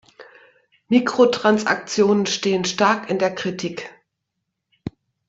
Mikrotransaktionen stehen stark in der Kritik.